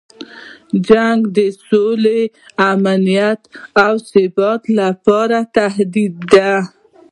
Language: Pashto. جنګ د سولې، امنیت او ثبات لپاره تهدید دی.